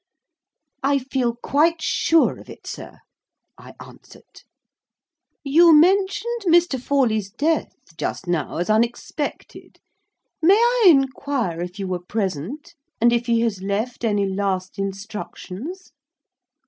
"I feel quite sure of it, sir," I answered. "You mentioned Mr. Forley's death, just now, as unexpected. May I inquire if you were present, and if he has left any last instructions?"